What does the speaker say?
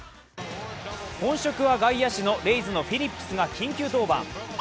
本職は外野手のフィリップスが緊急登板。